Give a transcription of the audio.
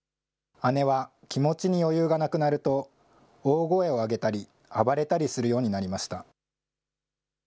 姉は気持ちに余裕がなくなると、大声を上げたり、暴れたりするようになりました。